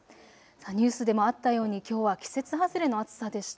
ニュースでもあったようにきょうは季節外れの暑さでした。